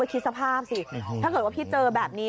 ถ้าเกิดว่าพี่เจอแบบนี้